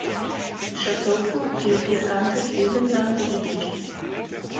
Shōtoku blieb ihr ganzes Leben lang ledig.